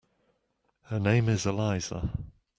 Her name is Elisa.